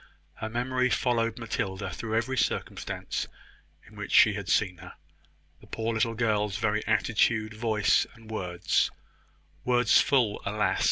Her memory followed Matilda through every circumstance in which she had seen her. The poor little girl's very attitude, voice, and words words full, alas!